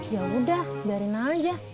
ya udah biarin aja